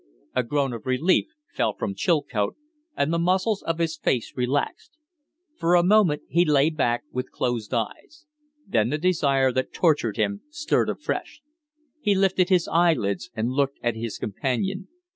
A groan of relief fell from Chilcote and the muscles of his face relaxed. For a moment he lay back with closed eyes; then the desire that tortured him stirred afresh. He lifted his eyelids and looked at his companion.